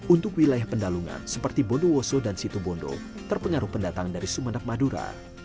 untuk wilayah pendalungan seperti bondowoso dan situbondo terpengaruh pendatang dari sumeneb madura